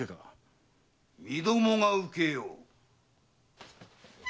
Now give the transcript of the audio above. ・身共が受けよう。